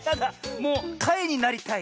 もうかいになりたい。